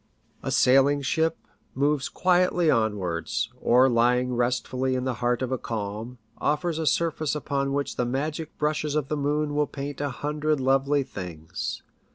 A sailing ship moving quietly onwards, or lying rest fully in the heart of a calm, offers a surface upon which the magic brushes of the moon will paint a hundred lovely things.